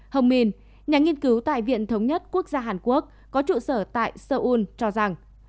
hồng minh nhà nghiên cứu tại viện thống nhất quốc gia hàn quốc có trụ sở tại seoul cho rằng